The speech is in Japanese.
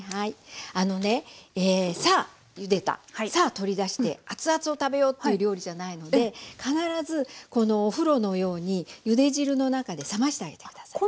あのねさあゆでたさあ取り出して熱々を食べようっていう料理じゃないので必ずお風呂のようにゆで汁の中で冷ましてあげて下さい。